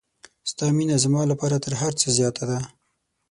ستا مینه زما لپاره تر هر څه زیاته ده.